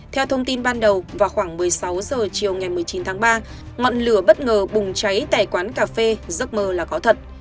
theo thông tin ban đầu vào khoảng một mươi sáu h chiều ngày một mươi chín tháng ba ngọn lửa bất ngờ bùng cháy tại quán cà phê giấc mơ là có thật